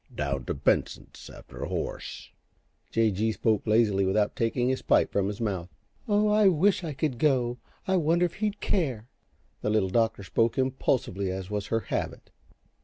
"Down t' Benson's after a horse." J. G. spoke lazily, without taking his pipe from his mouth. "Oh, I wish I could go I wonder if he'd care." The Little Doctor spoke impulsively as was her habit.